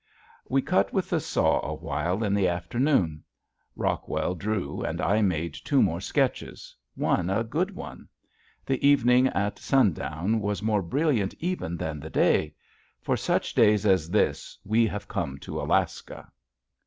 We cut with the saw a while in the afternoon. Rockwell drew and I made two more sketches one a good one. The evening at sundown was more brilliant even than the day. For such days as this we have come to Alaska!